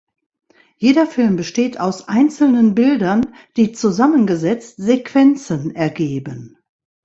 Jeder Film besteht aus einzelnen Bildern, die zusammengesetzt Sequenzen ergeben.